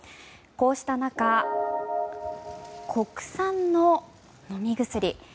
こうした中、国産の飲み薬